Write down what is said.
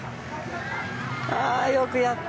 ああ、よくやった！